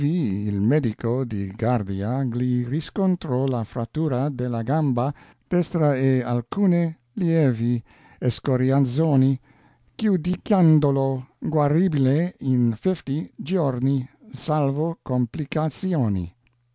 Ivi il medico di guardia gli riscontro la frattura della gamba destra e alcune lievi escoriazioni giudicandolo guaribile in 50 giorni salvo complicazioni.